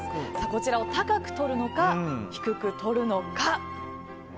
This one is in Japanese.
こちらを高くとるのか低くとるのか。